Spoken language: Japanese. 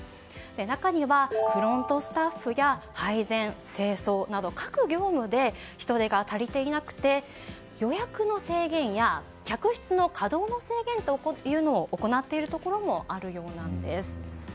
中にはフロントスタッフや配膳清掃など各業務で人手が足りていなくて予約の制限や客室の稼働の制限というのを行っているところもあるようなんです。